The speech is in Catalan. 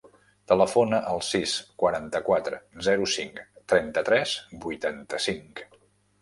Telefona al sis, quaranta-quatre, zero, cinc, trenta-tres, vuitanta-cinc.